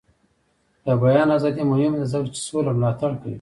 د بیان ازادي مهمه ده ځکه چې سوله ملاتړ کوي.